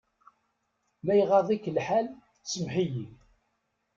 Ma iɣaḍ-ik lḥal, semmeḥ-iyi.